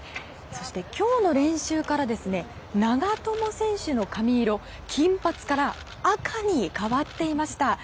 そして、今日の練習から長友選手の髪色金髪から赤に変わっていました。